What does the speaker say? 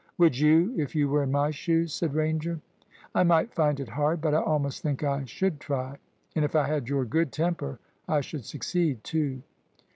"Would you, if you were in my shoes?" said Ranger. "I might find it hard, but I almost think I should try. And if I had your good temper, I should succeed too."